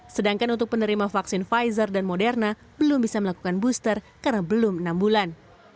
sedangkan untuk penerima vaksin pfizer dan moderna belum bisa melakukan booster karena belum enam bulan